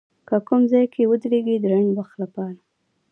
که کوم ځای کې ودرېږي د لنډ وخت لپاره